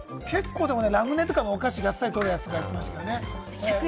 ラムネとかのお菓子があっさり取るやつやってましたけれどもね。